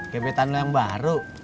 kebetan lo yang baru